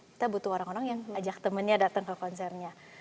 kita butuh orang orang yang ajak temennya datang ke konsernya